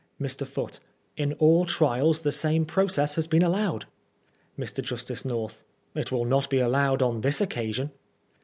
Mr. Foote : Li all trials the same process has been allowed. Mr. Justice North : It will not be allowed on this occasion.